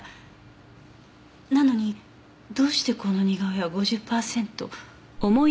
なのにどうしてこの似顔絵は５０パーセント。